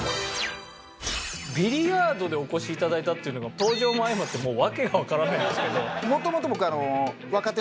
ビリヤードでお越し頂いたっていうのが登場も相まってもう訳がわからないんですけど。